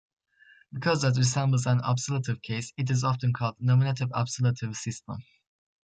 Because that resembles an absolutive case, it is often called a nominative-absolutive system.